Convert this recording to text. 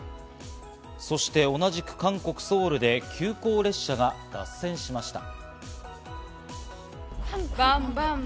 同じく、韓国・ソウルで急行列車が脱線しました。